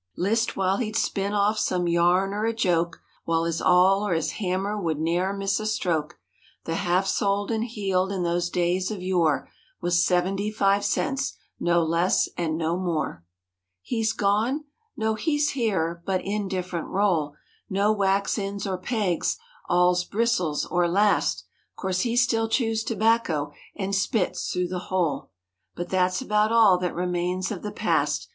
15 List while he'd spin off some yarn or a joke— While his awl or his hammer would ne'er miss a stroke. The "half soled and heeled" in those days of yore Was "seventy five cents"—no less and no more. He's gone? No, he's here, but in different role; No "wax ends" or pegs; awls, bristles or last. 'Course he still chews tobacco and spits through the hole But that's about all that remains of the past.